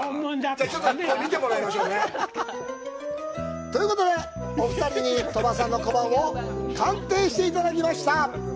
じゃあ、ちょっと見てもらいましょうね。ということで、お２人に鳥羽さんの小判を鑑定していただきました。